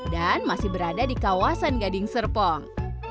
dan masih berada di kawasan gading serpong